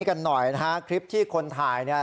กันหน่อยนะฮะคลิปที่คนถ่ายเนี่ย